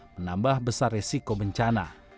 menambah besar resiko bencana